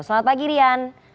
selamat pagi rian